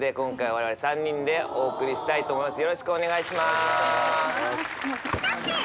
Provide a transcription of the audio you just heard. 我々３人でお送りしたいと思います。